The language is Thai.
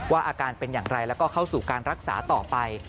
อาการเป็นอย่างไรแล้วก็เข้าสู่การรักษาต่อไป